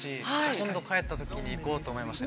今度帰ったときに、行こうと思いました。